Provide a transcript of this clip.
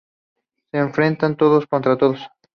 Se enfrentan todos contra todos.